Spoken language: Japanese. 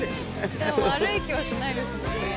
でも悪い気はしないですもんね。